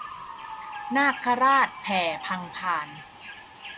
นาคราชแผ่พังพาน